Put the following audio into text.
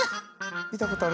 見たことある！